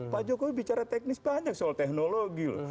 pak jokowi bicara teknis banyak soal teknologi loh